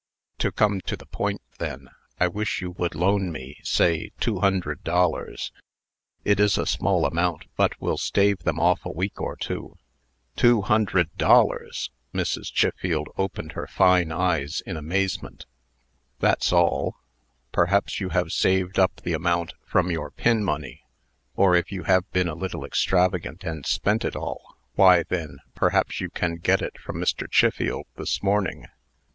To come to the point, then, I wish you would loan me, say two hundred dollars. It is a small amount, but will stave them off a week or two." "Two hundred dollars!" Mrs. Chiffield opened her fine eyes in amazement. "That's all. Perhaps you have saved up the amount from your pin money? Or, if you have been a little extravagant, and spent it all, why, then, perhaps you can get it from Mr. Chiffield this morning?"